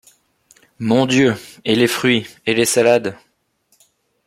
Mon Dieu ! et les fruits, et les salades ?